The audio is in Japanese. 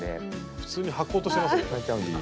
普通にはこうとしてますね。